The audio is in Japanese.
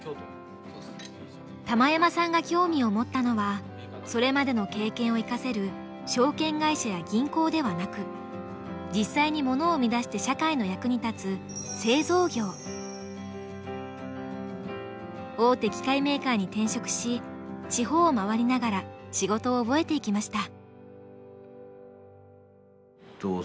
玉山さんが興味を持ったのはそれまでの経験を生かせる証券会社や銀行ではなく実際に物を生み出して社会の役に立つ大手機械メーカーに転職し地方を回りながら仕事を覚えていきました。